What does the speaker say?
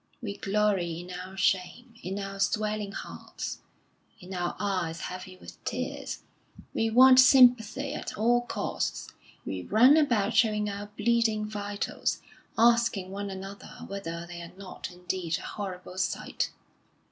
We glory in our shame, in our swelling hearts, in our eyes heavy with tears. We want sympathy at all costs; we run about showing our bleeding vitals, asking one another whether they are not indeed a horrible sight.